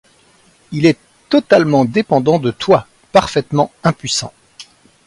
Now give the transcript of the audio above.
Il est totalement dépendant de toi, parfaitement impuissant.